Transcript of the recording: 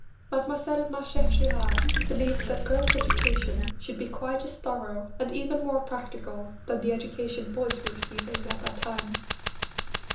Mlle. Marchef Girard believed that girls' education should be quite as thorough and even more practical than the education boys were receiving at that time.